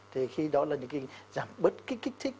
thì khi đó là những cái giảm bớt cái kích thích